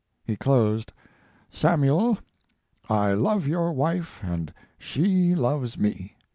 He closed: "Samuel, I love your wife and she loves me.